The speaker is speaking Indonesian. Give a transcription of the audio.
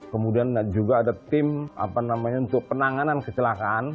kemudian juga ada tim untuk penanganan kecelakaan